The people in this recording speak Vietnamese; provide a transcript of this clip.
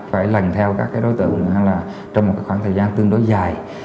phải lần theo các cái đối tượng trong một khoảng thời gian tương đối dài